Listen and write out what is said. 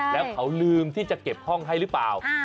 แล้วเขาลืมที่จะเก็บห้องให้หรือเปล่า